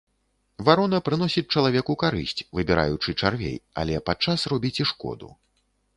Варона прыносіць чалавеку карысць, выбіраючы чарвей, але падчас робіць і шкоду.